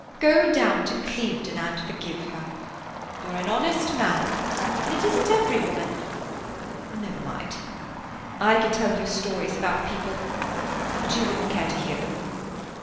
Go down to Clevedon and forgive her. You're an honest man, and it isn't every woman—never mind. I could tell you stories about people—but you wouldn't care to hear them.